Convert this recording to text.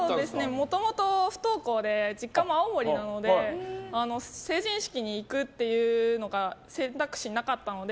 もともと不登校で実家も青森なので成人式に行くというのが選択肢になかったので。